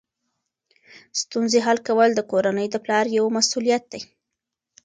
ستونزې حل کول د کورنۍ د پلار یوه مسؤلیت ده.